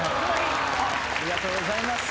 ありがとうございます。